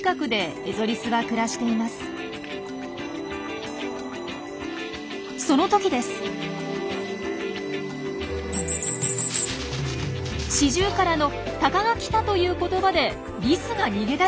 シジュウカラの「タカが来た！」という言葉でリスが逃げ出しました。